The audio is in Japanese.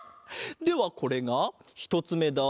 ではこれがひとつめだ。